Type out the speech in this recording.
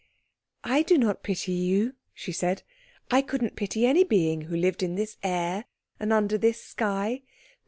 "I do not pity you," she said; "I couldn't pity any being who lived in this air, and under this sky.